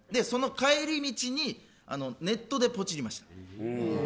その帰り道にネットでポチりました。